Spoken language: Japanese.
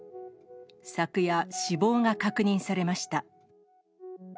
昨夜、死亡が確認されました。